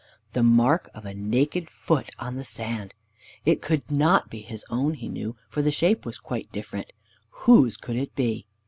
The mark of a naked foot on the sand! It could not be his own, he knew, for the shape was quite different. Whose could it be?